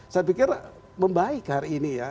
saya pikir membaik hari ini ya